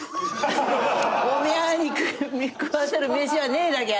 おみゃあに食わせる飯はねえだぎゃ」